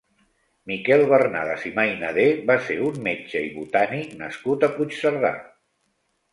Miquel Bernades i Mainader va ser un metge i botànic nascut a Puigcerdà.